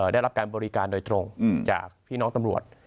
ได้รับการบริการโดยตรงจากพี่น้องตำรวจ